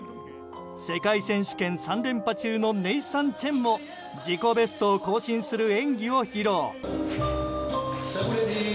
世界選手権３連覇中のネイサン・チェンも自己ベストを更新する演技を披露。